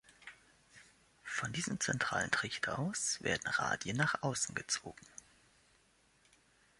Von diesem zentralen Trichter aus werden Radien nach außen gezogen.